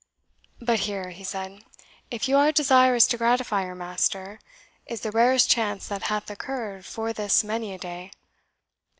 "But here," he said, "if you are desirous to gratify your master, is the rarest chance that hath occurred for this many a day.